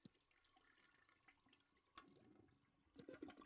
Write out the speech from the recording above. دښته د ژبې پرته کیسه کوي.